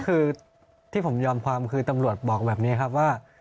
คือที่ผมยอมความคือตำรวจบอกแบบนี้ครับว่า